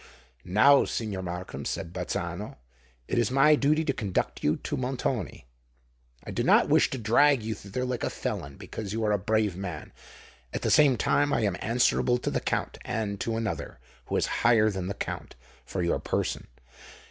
"Now, Signor Markham," said Bazzano, "it is my duty to conduct you to Montoni. I do not wish to drag you thither like a felon—because you are a brave man: at the same time I am answerable to the Count and to another who is higher than the Count, for your person.